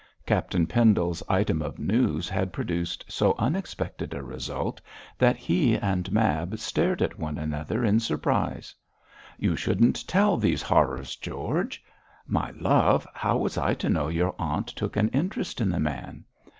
Captain Pendle's item of news had produced so unexpected a result that he and Mab stared at one another in surprise. 'You shouldn't tell these horrors, George.' 'My love, how was I to know your aunt took an interest in the man?'